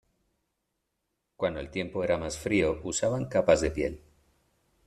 Cuando el tiempo era más frío, usaban capas de piel.